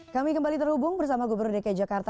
kami kembali terhubung bersama gubernur dki jakarta